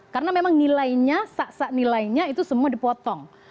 karena memang nilainya saksa nilainya itu semua dipotong